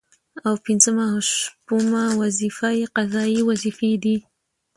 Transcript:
او پنځمه او شپومه وظيفه يې قضايي وظيفي دي